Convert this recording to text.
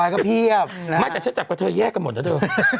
ก็อยากจะจับก็เทย์แยกกันหมดแล้ว